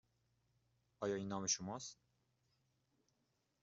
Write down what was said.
آیا این نام شما است؟